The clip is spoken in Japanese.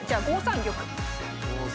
５三玉。